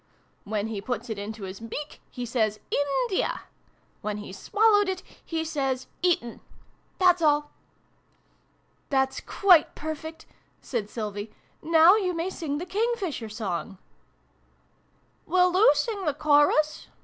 ' When he puts it into his beak, he says ' India !' When he's swallowed it, he says ' Eton /' That's all." " That's quite perfect," said Sylvie. " Now you may sing the King fisher Song." "Will oo sing the chorus